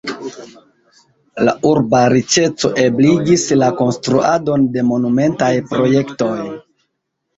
La urba riĉeco ebligis la konstruadon de monumentaj projektoj.